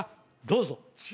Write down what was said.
どうぞ！